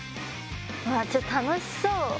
ちょっと楽しそう。